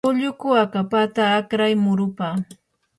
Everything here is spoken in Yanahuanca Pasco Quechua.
ulluku akapata akray murupa.